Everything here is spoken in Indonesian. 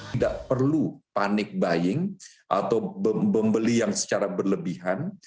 tidak perlu panik buying atau membeli yang secara berlebihan